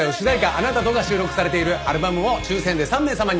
『あなたと』が収録されているアルバムを抽選で３名様に。